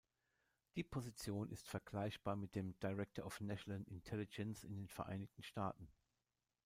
Die Position ist vergleichbar mit dem Director of National Intelligence in den Vereinigten Staaten.